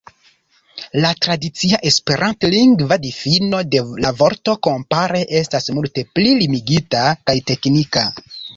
La tradicia esperantlingva difino de la vorto kompare estas multe pli limigita kaj teknika.